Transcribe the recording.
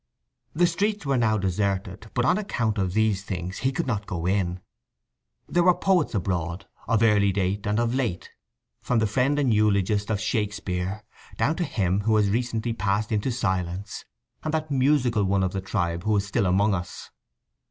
The streets were now deserted, but on account of these things he could not go in. There were poets abroad, of early date and of late, from the friend and eulogist of Shakespeare down to him who has recently passed into silence, and that musical one of the tribe who is still among us.